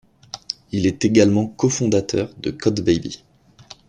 Il est également co-fondateur de CodeBaby.